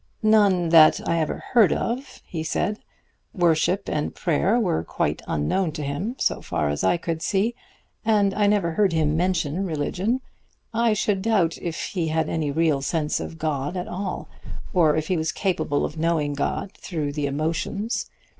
"None that I ever heard of," he said. "Worship and prayer were quite unknown to him, so far as I could see, and I never heard him mention religion. I should doubt if he had any real sense of God at all, or if he was capable of knowing God through the emotions.